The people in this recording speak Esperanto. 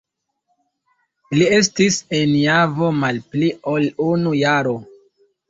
Li estis en Javo mal pli ol unu jaro.